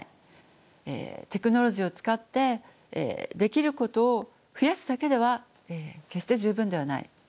テクノロジーを使ってできることを増やすだけでは決して十分ではない。